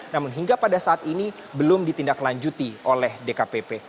namun hingga pada saat ini belum ditindaklanjuti oleh dkpp